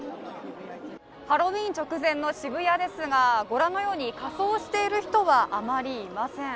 ハロウィーン直前の渋谷ですが、ご覧のように仮装している人はあまりいません。